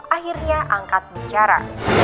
akhirnya angkat bicara